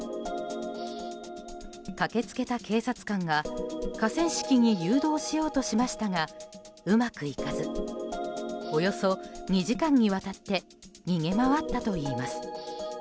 駆け付けた警察官が河川敷に誘導しようとしましたがうまくいかずおよそ２時間にわたって逃げ回ったといいます。